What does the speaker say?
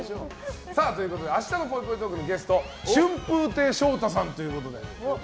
明日のぽいぽいトークのゲスト春風亭昇太さんということで。